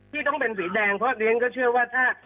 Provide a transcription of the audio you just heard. ที่ต้องเป็นสีแดงเพราะเรียนก็เชื่อว่าถ้า